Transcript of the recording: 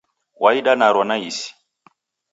Waida naro naisi